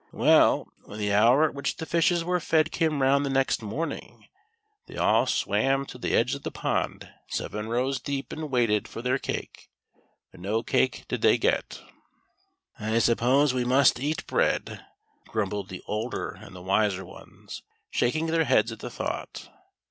Well, when the hour at which the fishes were fed came round the next morning, they all swam to the c 34 THE SILVER FISH. edge of the pond seven rows deep, and waited for their cake, but no cake did they get. " I suppose we must eat bread," grumbled the older and the wiser ones, shaking their heads at the thought.